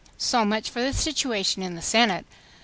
So much for the situation in the Senate!